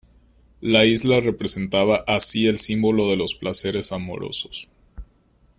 La isla representaba así el símbolo de los placeres amorosos.